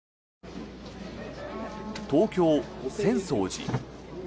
東京・浅草寺。